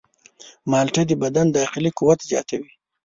مالټه د بدن داخلي قوت زیاتوي.